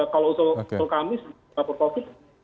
kalau usul kamis laporan covid